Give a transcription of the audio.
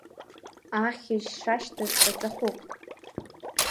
Ахьыжь шашьҭаз ҿаҵахәык.